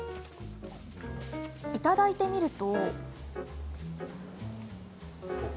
いただいてみると。